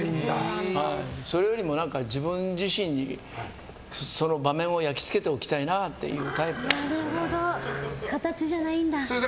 それよりも自分自身にその場面を焼き付けておきたいなっていう形じゃないんだ。